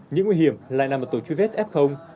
những nguy hiểm lại nằm ở tổ truy vết f